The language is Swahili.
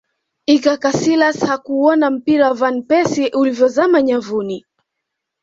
iker casilas hakuuona mpira wa van persie ulivyozama nyavuni